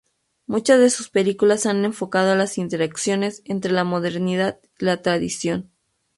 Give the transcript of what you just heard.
Muchas de sus películas han enfocado las interacciones entre la modernidad y la tradición.